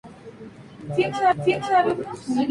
Rápidamente abandonó el cine y volvió a la pintura.